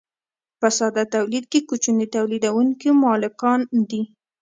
په ساده تولید کې کوچني تولیدونکي مالکان دي.